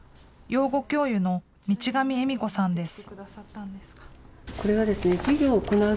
養護教諭の道上恵美子さんです。